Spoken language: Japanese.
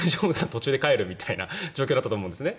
途中で帰るみたいな状況だったと思うんですね。